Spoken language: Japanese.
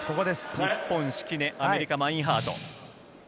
日本は敷根、アメリカはマインハート。